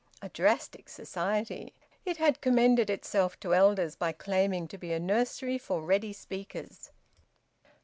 A drastic Society! It had commended itself to elders by claiming to be a nursery for ready speakers.